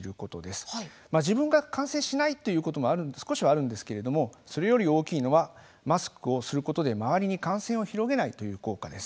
自分が感染しないということも少しはあるんですけれどもそれより大きいのはマスクをすることで周りに感染を広げないという効果です。